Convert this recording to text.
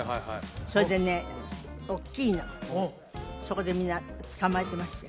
それでねおっきいのそこでみんな捕まえてましたよ